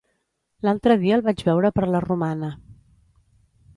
L'altre dia el vaig veure per la Romana.